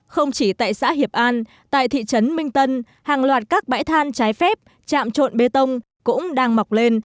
không chỉ tại xã hiệp an tại thị trấn minh tân hàng loạt các bãi than trái phép chạm trộn bê tông cũng đang mọc lên